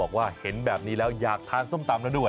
บอกว่าเห็นแบบนี้แล้วอยากทานส้มตำแล้วด้วย